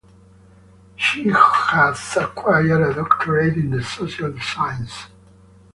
She has acquired a doctorate in the social sciences.